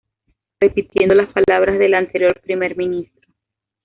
Repitiendo las palabras del anterior primer ministro.